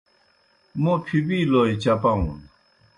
موں پِھبِیلوْئے چپاؤن۔